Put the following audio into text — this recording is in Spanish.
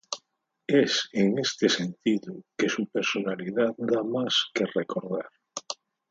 Es en este sentido que su personalidad da más que recordar.